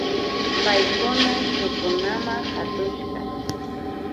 Paykuna mishukunama katushka